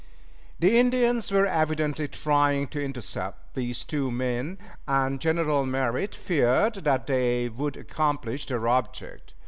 The Indians were evidently trying to intercept these two men, and General Merritt feared that they would accomplish their object.